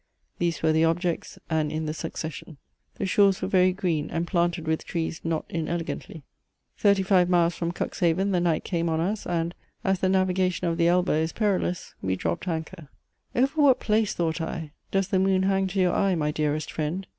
These were the objects and in the succession. The shores were very green and planted with trees not inelegantly. Thirty five miles from Cuxhaven the night came on us, and, as the navigation of the Elbe is perilous, we dropped anchor. Over what place, thought I, does the moon hang to your eye, my dearest friend?